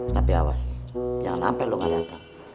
tapi awas jangan sampai lu gak datang